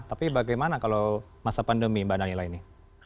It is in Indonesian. tapi bagaimana kalau masa pandemi mbak danila ini